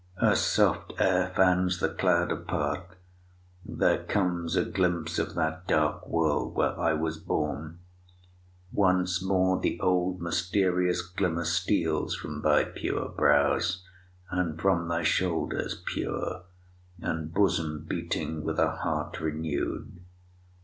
A soft air fans the cloud apart; there comes A glimpse of that dark world where I was born. Once more the old mysterious glimmer steals From thy pure brows, and from thy shoulders pure, And bosom beating with a heart renew'd.